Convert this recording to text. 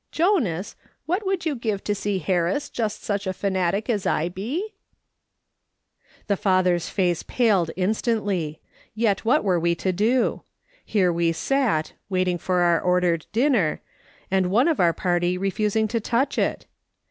" Jonas, Avhat would you give to see Harris just such a fanatic as I be ?" The father's face paled instantly, yet what were we to do ? Here we sat, waiting for our ordered dinner, and one of our party refusing to touch it